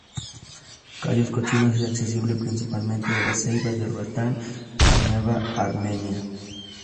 Cayos Cochinos es accesible principalmente de La Ceiba, de Roatán y Nueva Armenia.